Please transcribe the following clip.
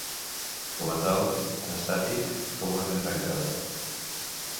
Com a tal, és estàtic, com una ment tancada.